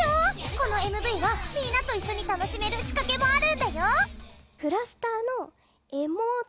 このＭＶはみんなと一緒に楽しめる仕掛けもあるんだよ！